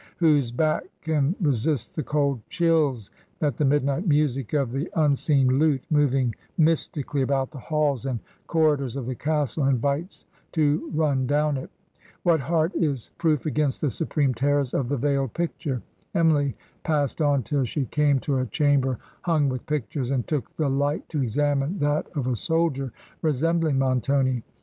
Whose back can resist the cold chills that the midnight music of the unseen lute, moving mystically about the halls and cor ridors of the castle, invites to run down it ? What heart is proof against the supreme terrors of the veiled picture? "Emily passed on till she came to a chamber himg witli pictures, and took the light to examine that of a soldier ... resembling Montoni.